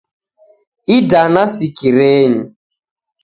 Idana sikirenyi